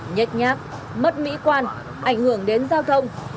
nhách nhát mất mỹ quan ảnh hưởng đến giao thông